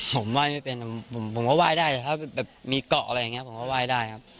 ผมว่ายไม่เป็นผมว่าว่ายได้ถ้ามีเกาะอะไรอย่างเงี้ยผมว่าว่ายได้ครับ